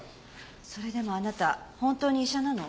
それでもあなた本当に医者なの？